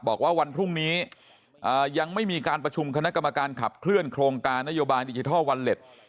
บอกว่าวันพรุ่งนี้ยังไม่มีการประชุมคณะกรรมการขับเคลื่อนโครงการนโยบายดิจิทัลวอลเล็ต